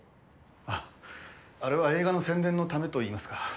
ああれは映画の宣伝のためといいますか。